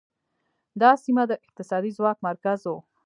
دا سیمه د اقتصادي ځواک مرکز و